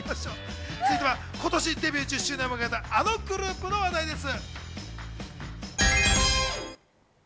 続いては今年デビュー１０周年を迎えたあのグループの話題です。